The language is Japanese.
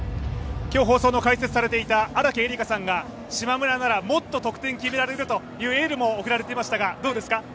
今日放送の解説をされていた荒木絵里香さんが島村ならもっと得点決められるとエールも送られていましたが、どうですか？